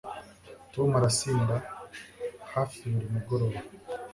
Tom arasinda hafi buri mugoroba